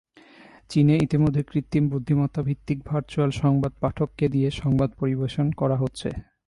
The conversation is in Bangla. চীনে ইতোমধ্যে কৃত্রিম বুদ্ধিমত্তা ভিত্তিক ভার্চুয়াল সংবাদ পাঠককে দিয়ে সংবাদ পরিবেশন করা হচ্ছে।